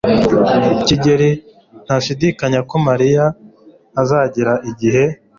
Kigeri ntashidikanya ko Mariya azagera igihe.